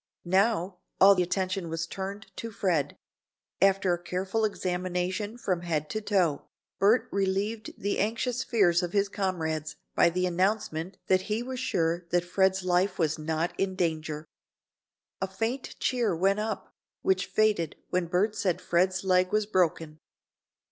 Now, all attention was turned to Fred. After a careful examination from head to toe, Bert relieved the anxious fears of his comrades by the announcement that he was sure that Fred's life was not in danger. A faint cheer went up, which faded when Bert said Fred's leg was broken.